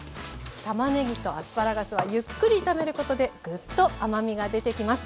たまねぎとアスパラガスはゆっくり炒めることでぐっと甘みが出てきます。